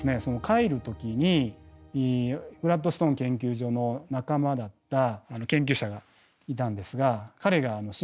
帰る時にグラッドストーン研究所の仲間だった研究者がいたんですが彼が伸弥今度